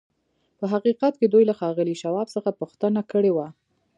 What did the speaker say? په حقیقت کې دوی له ښاغلي شواب څخه غوښتنه کړې وه